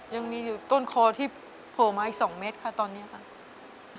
ยังมีอยู่ต้นคอที่โผล่มาอีก๒เมตรค่ะตอนนี้ค่ะ